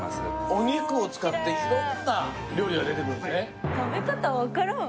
お肉を使って色んな料理が出てくるんですね